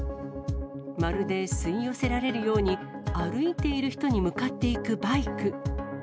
まるで吸い寄せられるように、歩いている人に向かっていくバイク。